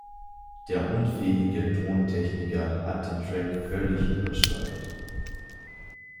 Der unfähige Tontechniker hat den Track völlig übersteuert.